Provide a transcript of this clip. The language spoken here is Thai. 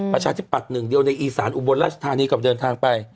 ประชาชนที่ปัดหนึ่งเดียวในอีสานอุบลราชธานีก็ไปเดินทางไป